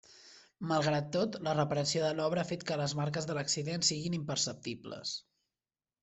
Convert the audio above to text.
Malgrat tot, la reparació de l'obra ha fet que les marques de l'accident siguin imperceptibles.